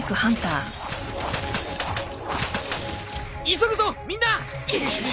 急ぐぞみんな！